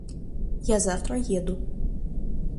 Я завтра еду.